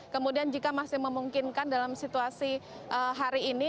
kemudian jika masih memungkinkan dalam situasi hari ini